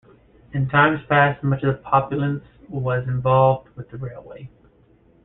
In times past, much of the populace was involved with the railway.